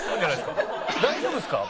大丈夫ですか？